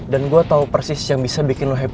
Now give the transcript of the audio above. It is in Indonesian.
dan gue tau persis yang bisa bikin lo happy